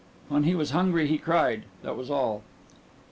When he was hungry he cried that was all.